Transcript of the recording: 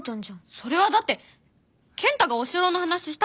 それはだって健太がお城の話したからじゃん！